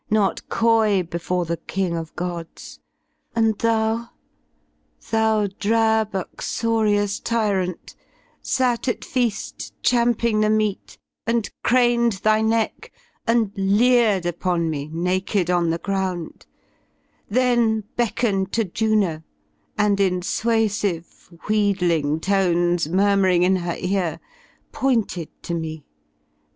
Not coy before the King of Gods — and thou, 90 Thou drab uxortom tyrant ^ sate atfeaSlt Champing the meat^ and craned thy neck^ and leered Upon mcy naked on the ground, then beckoned To Juno and m suasive wheedling tones Murmuring in her ear, pointed to me.